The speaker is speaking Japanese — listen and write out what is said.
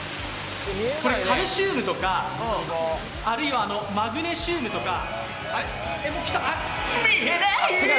これカルシウムとか、マグネシウムとか。